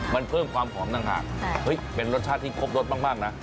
มันเพิ่มความหอมต่างหากเป็นรสชาติที่ครบรสมากนะ